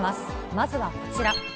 まずはこちら。